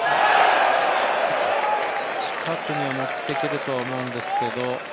近くには持ってけるとは思うんですけど。